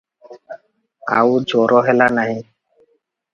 ଆଉ ଜ୍ୱର ହେଲା ନାହିଁ ।